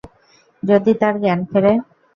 যদি তার জ্ঞান ফেরে।